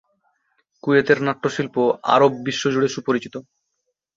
কুয়েতের নাট্য শিল্প আরব বিশ্ব জুড়ে সুপরিচিত।